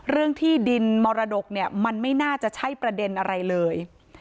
เรื่องที่ดินมรดกเนี่ยมันไม่น่าจะใช่ประเด็นอะไรเลย